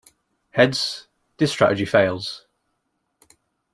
Hence this strategy fails.